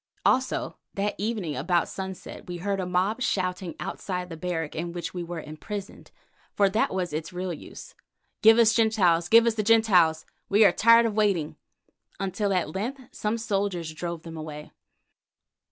Also that evening, about sunset, we heard a mob shouting outside the barrack in which we were imprisoned, for that was its real use, "Give us the Gentiles! Give us the Gentiles! We are tired of waiting," until at length some soldiers drove them away.